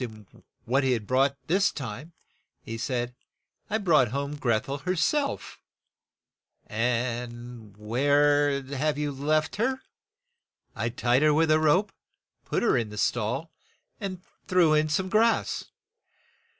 92 THE WEDDING OF MRS. FOX what he had brought this time, he said, "I brought home Greth el her self." "And where have you left her?' "I tied her with a rope, put her in the stall, and threw in some grass."